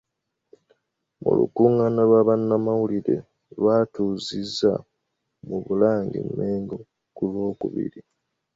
Mu lukungaana lwa bannamawulire lw’atuuzizza mu Bulange e Mmengo ku Lwokubiri.